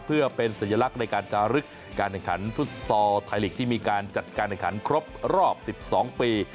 เพื่อเป็นสัญลักษณ์ในการจารึกการแข่งขันฟุตซอลไทยลีกที่มีการจัดการแข่งขันครบรอบ๑๒ปี